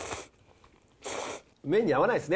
合わないですね。